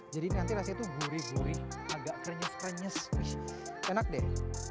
jadi nanti rasanya tuh gurih gurih agak krenyes krenyes enak deh